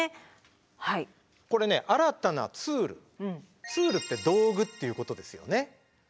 これね新たなツール「ツール」って道具っていうことですよね。